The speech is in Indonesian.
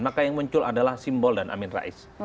maka yang muncul adalah simbol dan amin rais